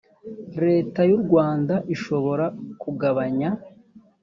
leta y u rwanda ishobora kugabanya